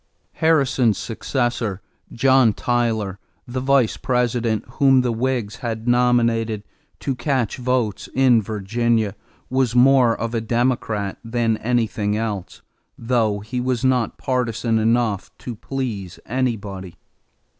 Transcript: Harrison's successor, John Tyler, the Vice President, whom the Whigs had nominated to catch votes in Virginia, was more of a Democrat than anything else, though he was not partisan enough to please anybody.